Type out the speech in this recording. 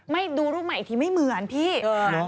ดูรูปใหม่อีกทีไม่เหมือนพี่